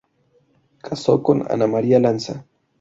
Casó con Ana María Lanza.